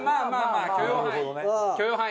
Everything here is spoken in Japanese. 許容範囲。